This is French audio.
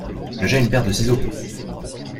J’ai une paire de ciseaux.